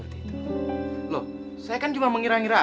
lo itu jangan cuma satu kenapa sih lo